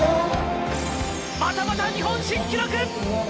またまた日本新記録！